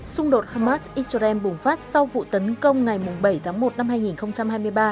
xung đột hamas israel bùng phát sau vụ tấn công ngày bảy tháng một năm hai nghìn hai mươi ba